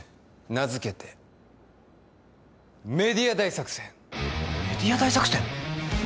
名付けてメディア大作戦メディア大作戦？